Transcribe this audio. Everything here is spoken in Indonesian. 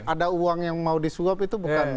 ada uang yang mau disuap itu bukan